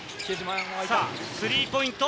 スリーポイント。